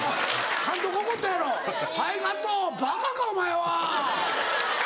監督怒ったやろ「はいカットバカか！お前は」。